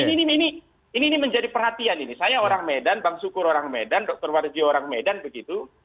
jadi ini ini ini menjadi perhatian ini saya orang medan bang sukur orang medan dr warji orang medan begitu